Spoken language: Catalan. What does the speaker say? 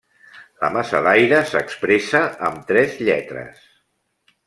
La massa d'aire s'expressa amb tres lletres.